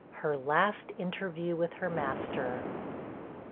HER LAST INTERVIEW WITH HER MASTER.